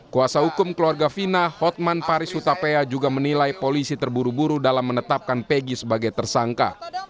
kuasa hukum keluarga fina hotman paris hutapea juga menilai polisi terburu buru dalam menetapkan pegi sebagai tersangka